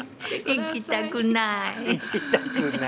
行きたくない。